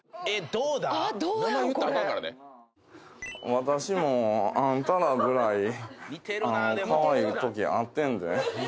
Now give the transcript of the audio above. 「私もあんたらぐらいカワイイときあってんで」